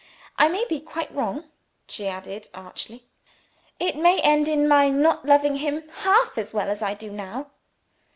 I may be quite wrong," she added archly. "It may end in my not loving him half as well as I do now!"